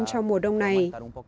trong mùa đông này